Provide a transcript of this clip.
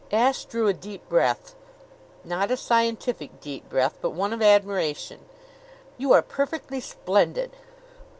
Ashe drew a deep breath not a scientific deep breath, but one of admiration. "You are perfectly splendid!"